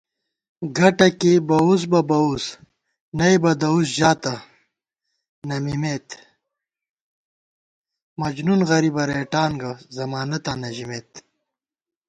گٹہ کېئی بَوُس بہ بَوُس نئیبہ دَؤس ژاتہ نہ مِمېت * مجنُون غریبہ رېٹان گہ، ضمانَتاں نہ ژِمېت